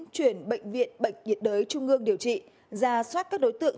chuyển bệnh viện bệnh nhiệt đới trung ương điều trị ra soát các đối tượng